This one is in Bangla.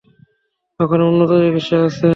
ওখানে উন্নত চিকিৎসা আছে।